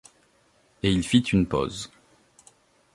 Et il fit une pause.